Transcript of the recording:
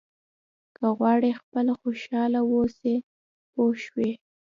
که غواړئ خپله خوشاله واوسئ پوه شوې!.